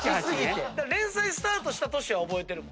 連載スタートした年は覚えてる？